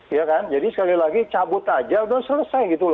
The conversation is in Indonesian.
ya kan jadi sekali lagi cabut aja udah selesai gitu loh